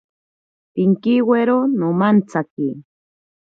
Pinkiwiro nomantsaki.